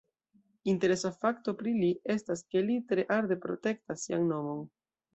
Interesa fakto pri li estas, ke li tre arde protektas sian nomon.